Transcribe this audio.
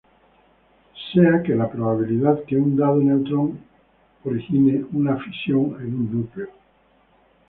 Sea q la probabilidad que un dado neutrón origine una fisión en un núcleo.